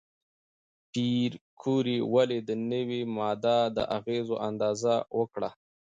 پېیر کوري ولې د نوې ماده د اغېزو اندازه وکړه؟